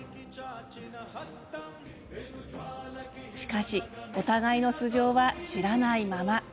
しかし、お互いの素性は知らないまま。